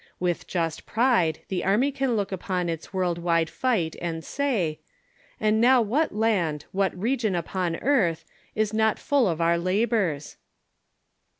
With just ])ride the Army can look upon its world wide fight and say, "And now what land, M'hat region upon earth, is not full of our la bors?"